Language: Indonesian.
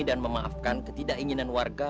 dan memaafkan ketidakinginan warga